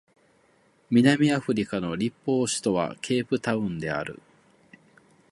南アフリカの立法首都はケープタウンである